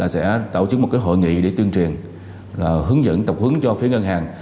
sẽ tạo chứng một hội nghị để tuyên truyền tập hướng cho phía ngân hàng